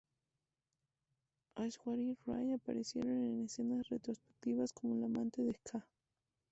Aishwarya Rai aparecieron en escenas retrospectivas como la amante de Khan.